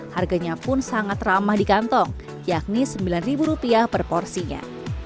harganya pun sangat ramah di kantong yakni sembilan ribu rupiah per porsinya